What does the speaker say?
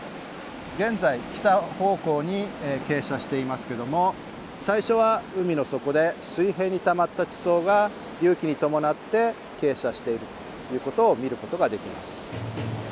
現在北方向に傾斜していますけども最初は海の底で水平にたまった地層が隆起にともなって傾斜しているということを見ることができます。